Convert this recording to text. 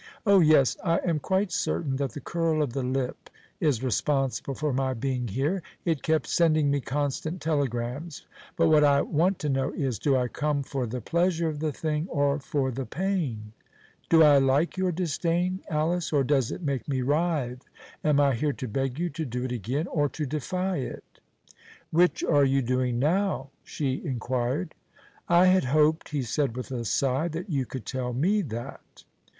"Oh, yes, I am quite certain that the curl of the lip is responsible for my being here; it kept sending me constant telegrams; but what I want to know is, do I come for the pleasure of the thing or for the pain? Do I like your disdain, Alice, or does it make me writhe? Am I here to beg you to do it again, or to defy it?" "Which are you doing now?" she inquired. "I had hoped," he said with a sigh, "that you could tell me that."